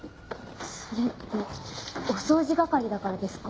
それってお掃除係だからですか？